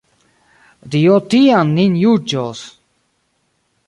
Dio tiam nin juĝos!